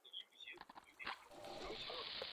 圣尼古拉奥斯是希腊克里特大区拉西锡州首府。